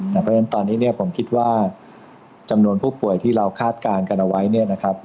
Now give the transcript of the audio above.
เพราะฉะนั้นตอนนี้ผมคิดว่าจำนวนผู้ป่วยที่เราคาดการณ์กันเอาไว้